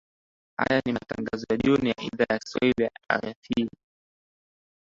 aya ni matangazo ya jioni idhaa ya kiswahili rfi